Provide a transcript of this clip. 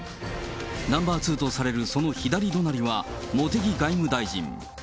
ナンバー２とされる、その左隣には茂木外務大臣。